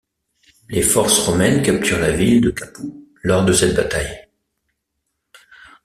Les forces romaines capturent la ville de Capoue lors de cette bataille.